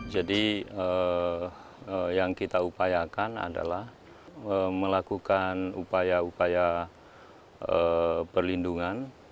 jadi yang kita upayakan adalah melakukan upaya upaya perlindungan